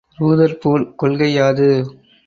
Rutherford கொள்கை யாது?